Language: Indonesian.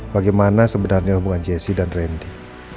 bagaimana sebenarnya hubungan jessi dan randy